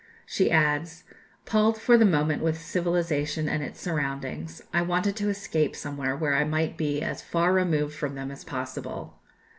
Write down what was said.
She adds: "Palled for the moment with civilization and its surroundings, I wanted to escape somewhere where I might be as far removed from them as possible.